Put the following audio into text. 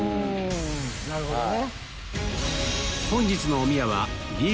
なるほどね。